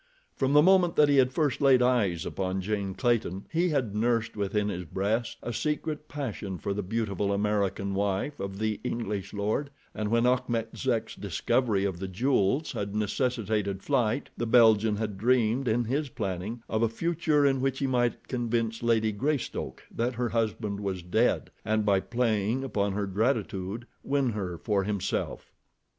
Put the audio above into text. From the moment that he had first laid eyes upon Jane Clayton he had nursed within his breast a secret passion for the beautiful American wife of the English lord, and when Achmet Zek's discovery of the jewels had necessitated flight, the Belgian had dreamed, in his planning, of a future in which he might convince Lady Greystoke that her husband was dead, and by playing upon her gratitude win her for himself.